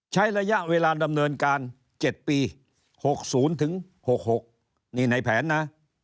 ใช้ระยะเวลาดำเนินการเจ็ดปีหกศูนย์ถึงหกหกนี่ในแผนนะ